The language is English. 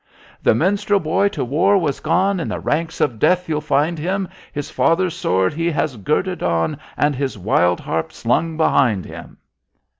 "The minstrel boy to the war has gone, In the ranks of death you'll find him, His father's sword he has girded on And his wild harp slung behind him."